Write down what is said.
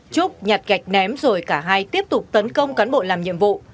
trúc nhặt gạch ném rồi cả hai tiếp tục tấn công cán bộ làm nhiệm vụ